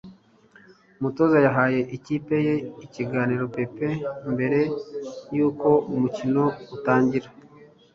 umutoza yahaye ikipe ye ikiganiro pep mbere yuko umukino utangira